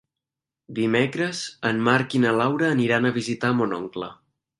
Dimecres en Marc i na Laura aniran a visitar mon oncle.